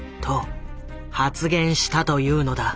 藤波はと発言したというのだ。